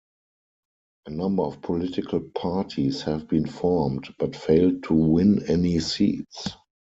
A number of political parties have been formed but failed to win any seats.